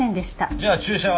じゃあ注射は？